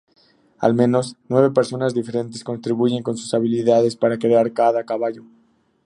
Al menos nueve personas diferentes contribuyen con sus habilidades para crear cada caballo.